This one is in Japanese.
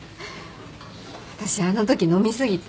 私あのとき飲み過ぎて。